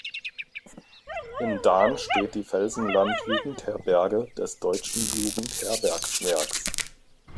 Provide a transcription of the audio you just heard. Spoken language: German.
In Dahn steht die "Felsenland-Jugendherberge" des Deutschen Jugendherbergswerks.